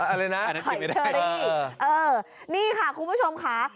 อะไรนะหอยเชอรี่เออนี่ค่ะคุณผู้ชมค่ะ